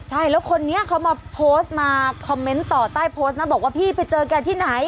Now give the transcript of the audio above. ใช่แล้วคนนี้เขามาโพสต์มาคอมเมนต์ต่อใต้โพสต์นะบอกว่าพี่ไปเจอแกที่ไหน